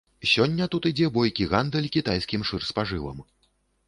Сёння тут ідзе бойкі гандаль кітайскім шырспажывам.